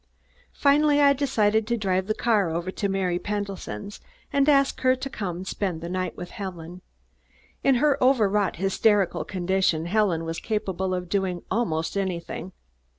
Finally I decided to drive the car over to Mary Pendleton's and ask her to come spend the night with Helen. In her overwrought, hysterical condition, Helen was capable of doing almost anything.